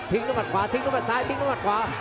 ด้วยหัดขวาทิ้งด้วยมัดซ้ายทิ้งด้วยมัดขวา